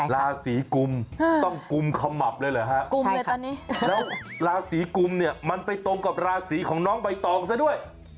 ราศีกุมต้องกุมขมับเลยเหรอฮะแล้วราศีกุมเนี่ยมันไปตรงกับราศีของน้องใบตองซะด้วย